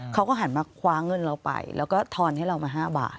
เขาก็หันมาคว้าเงินเราไปแล้วก็ทอนให้เรามา๕บาท